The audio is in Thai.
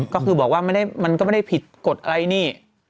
ก็คือบอกว่ามันก็ไม่ได้ผิดกฎอะไรนี่